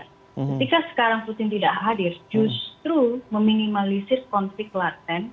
ketika sekarang putin tidak hadir justru meminimalisir konflik klaten